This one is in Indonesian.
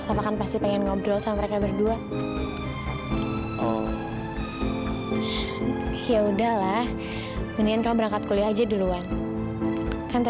sampai jumpa di video selanjutnya